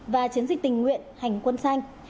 và chiến dịch tỉnh nguyện hành quân xanh